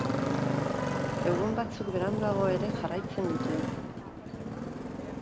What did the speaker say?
Egun batzuk beranduago ere jarraitzen dute.